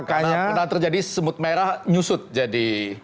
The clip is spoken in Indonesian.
karena terjadi semut merah nyusut jadi